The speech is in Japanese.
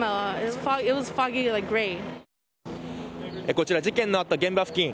こちら事件のあった現場付近。